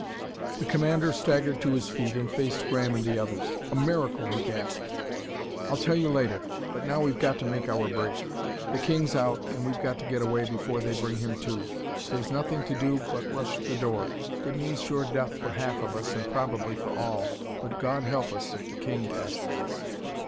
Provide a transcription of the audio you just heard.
The commander staggered to his feet and faced Graham and the others. "A miracle!" he gasped; "I'll tell you later. But now we've got to make our break. The king's out, and we've got to get away before they bring him to. There's nothing to do but rush the door. It means sure death for half of us, and probably for all but God help us if the king catches us!"